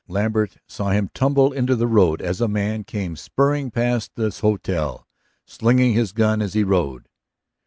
Lambert saw him tumble into the road as a man came spurring past the hotel, slinging his gun as he rode.